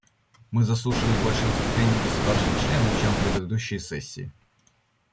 Мы заслушали больше выступлений государств-членов, чем в предыдущие сессии.